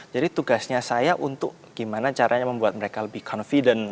jadi tugasnya saya untuk gimana caranya membuat mereka lebih confident